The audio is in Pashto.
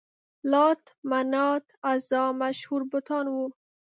لات، منات، عزا مشهور بتان وو.